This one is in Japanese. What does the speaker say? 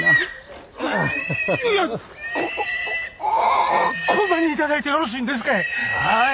いやこんなに頂いてよろしいんですかい？